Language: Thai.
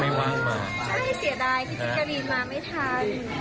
ไม่เสียดายพี่แจ๊กกะรีนมาไม่ทัน